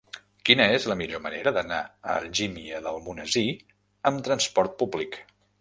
Quina és la millor manera d'anar a Algímia d'Almonesir amb transport públic?